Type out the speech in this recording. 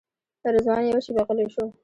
رضوان یوه شېبه غلی شو.